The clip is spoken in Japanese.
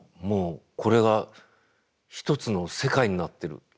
もうこれが一つの世界になってる。